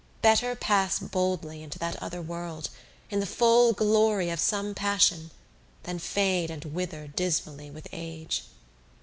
Better pass boldly into that other world, in the full glory of some passion, than fade and wither dismally with age.